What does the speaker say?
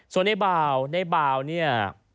ส่วนในเบาในเบาเนี่ย